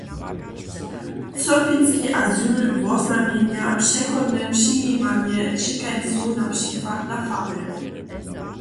Cyrkwinski azyl woznjamjenja přechodne přijimanje ćěkańcow na přikład na farje.